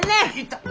痛っ！